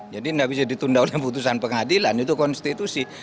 jadi tidak bisa ditunda oleh putusan pengadilan itu konstitusi